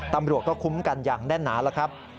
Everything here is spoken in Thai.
ตำรวจก็คุ้มกันอย่างแน่นหนาแล้วครับ